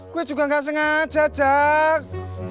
gue juga gak sengaja jak